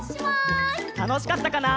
たのしかったかな？